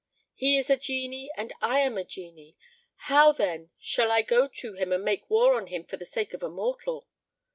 He is a Jinni and I am a Jinni: how then shall I go to him and make war on him for the sake of a mortal?"